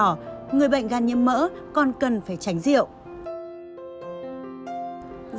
thứ sáu ngoài chế độ ăn nhiều thịt đỏ người bệnh gan nhiễm mỡ còn cần phải chế độ ăn nhiều thịt đỏ